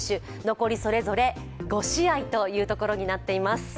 残りそれぞれ５試合というところになっています。